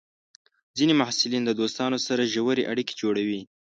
ځینې محصلین د دوستانو سره ژورې اړیکې جوړوي.